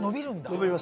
伸びます。